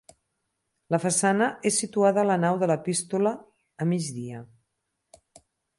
La façana és situada a la nau de l'epístola, a migdia.